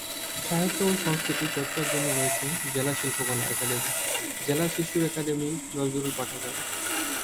সাহিত্য ও সংস্কৃতি চর্চার জন্য রয়েছে জেলা শিল্পকলা একাডেমি, জেলা শিশু একাডেমি, নজরুল পাঠাগার।